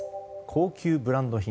高級ブランド品